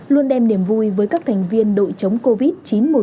luôn đem niềm vui với các thành viên đội chống covid một mươi chín